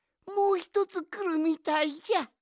もうひとつくるみたいじゃ！